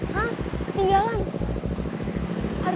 hah ketinggalan aduh